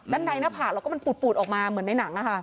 ด้านในน้าผากแล้วก็มันปูดปูดออกมาเหมือนในหนังอะค่ะ